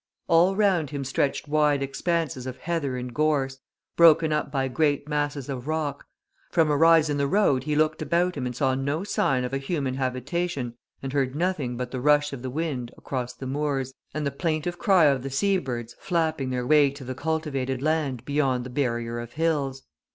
All round him stretched wide expanses of heather and gorse, broken up by great masses of rock: from a rise in the road he looked about him and saw no sign of a human habitation and heard nothing but the rush of the wind across the moors and the plaintive cry of the sea birds flapping their way to the cultivated land beyond the barrier of hills.